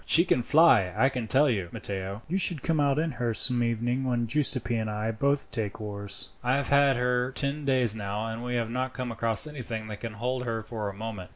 "She can fly along, I can tell you, Matteo. You shall come out in her some evening when Giuseppi and I both take oars. I have had her ten days now, and we have not come across anything that can hold her for a moment."